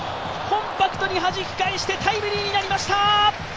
コンパクトにはじき返してタイムリーになりました。